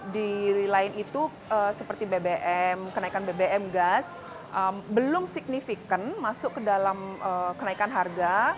di lain itu seperti bbm kenaikan bbm gas belum signifikan masuk ke dalam kenaikan harga